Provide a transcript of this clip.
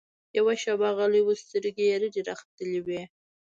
يوه شېبه غلى و سترګې يې رډې راختلې وې.